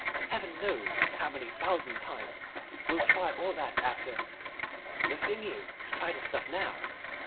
Heaven knows how many thousand times. We'll try all that after The thing is to try the stuff now."